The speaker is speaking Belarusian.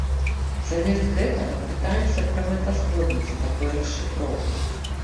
Замест гэтага пытаемся пра мэтазгоднасць такой расшыфроўкі.